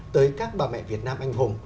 tới các bà mẹ việt nam anh hùng